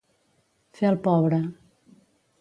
Fer el pobre.